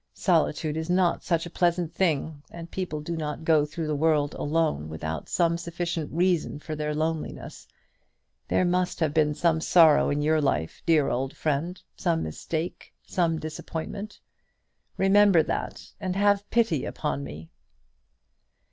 Solitude is not such a pleasant thing, and people do not go through the world alone without some sufficient reason for their loneliness. There must have been some sorrow in your life, dear old friend, some mistake, some disappointment. Remember that, and have pity upon me."